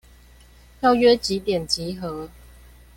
要約幾點集合？